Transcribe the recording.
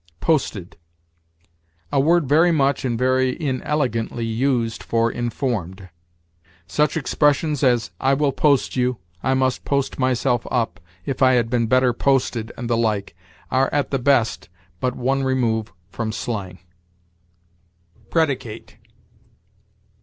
POSTED. A word very much and very inelegantly used for informed. Such expressions as, "I will post you," "I must post myself up," "If I had been better posted," and the like, are, at the best, but one remove from slang. PREDICATE.